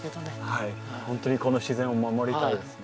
本当にこの自然を守りたいですね。